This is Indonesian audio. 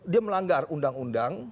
dia melanggar undang undang